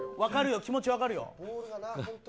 気持ち、分かるよ。